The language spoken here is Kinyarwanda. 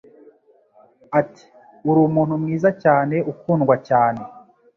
Ati: "uri umuntu mwiza cyane, ukundwa cyane,